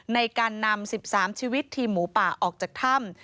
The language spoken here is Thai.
ในการนำ๑๓ชีวิตทีมหมูป่าออกจากถ้ำ